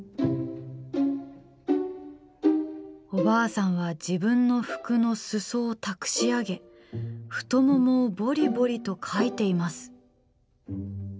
おばあさんは自分の服のすそをたくし上げ太ももをボリボリとかいています。